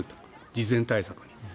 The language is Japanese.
事前対策に。